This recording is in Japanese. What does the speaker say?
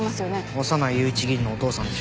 小山内雄一議員のお父さんでしょ？